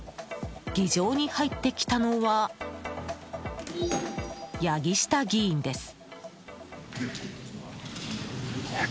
議場に入ってきたのは八木下議員です。